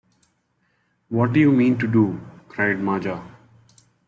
“What do you mean to do?” cried Maja.